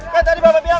kan tadi bapak bilang